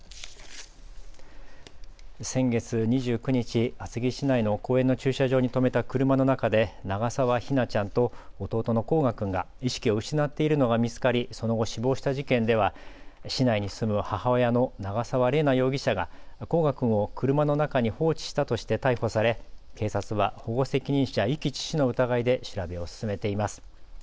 先月２９日、厚木市内の公園の駐車場に止めた車の中で長澤姫梛ちゃんと弟の煌翔君が意識を失っいるのが見つかりその後、死亡した事件では市内に住む母親の長澤麗奈容疑者が煌翔君を車の中に放置したとして逮捕され警察は保護責任者遺棄致死の疑いで調べを進めています。